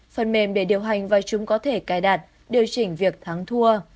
phần mềm để điều hành và chúng có thể cài đặt điều chỉnh việc thắng thua